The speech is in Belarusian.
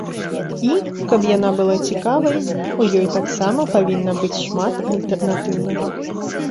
І, каб яна была цікавай, у ёй таксама павінна быць шмат альтэрнатыўнага.